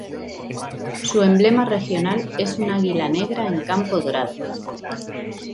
Su emblema regional es un águila negra en campo dorado.